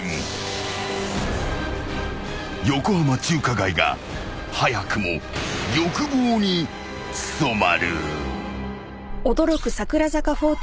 ［横浜中華街が早くも欲望に染まる］うわ！？